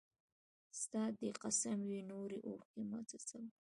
ستا! دي قسم وي نوري اوښکي مه څڅوه